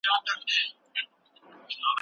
هلک د انا غېږې ته ورغی.